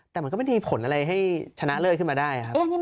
แต่มันก็ไม่มีผลอะไรให้ชนะเลิศขึ้นมาได้ครับ